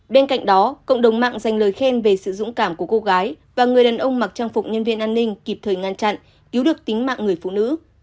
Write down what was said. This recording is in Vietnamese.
bên cạnh đó cộng đồng mạng dành lời khen về sự dũng cảm của cô gái và người đàn ông mặc trang phục nhân viên an ninh kịp thời ngăn chặn cứu được tính mạng người phụ nữ